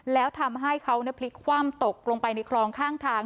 แล้วทำให้เขาพลิกคว่ำตกลงไปในคลองข้างทาง